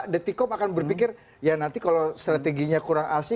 detikom akan berpikir ya nanti kalau strateginya kurang asli